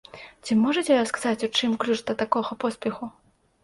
Ці можаце сказаць, у чым ключ да такога поспеху?